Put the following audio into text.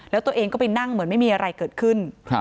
แล้วตัวเองก็ไปนั่งเหมือนไม่มีอะไรเกิดขึ้น